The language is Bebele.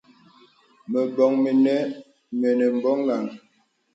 Məbɔŋ mənə mə bɔghaŋ.